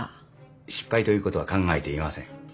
失敗ということは考えていません。